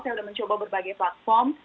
saya sudah mencoba berbagai platform